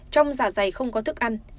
trong giả dày không có thức ăn